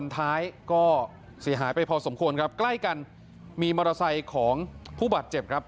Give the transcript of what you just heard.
ท้ายก็เสียหายไปพอสมควรครับใกล้กันมีมอเตอร์ไซค์ของผู้บาดเจ็บครับ